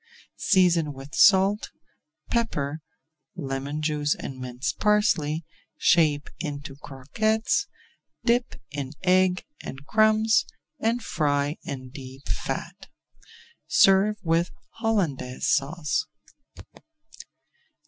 Season with salt, pepper, lemon juice, and minced parsley, shape into croquettes, dip in egg and crumbs, and fry in deep fat. Serve with Hollandaise Sauce.